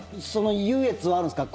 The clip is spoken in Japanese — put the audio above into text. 優越はあるんですか？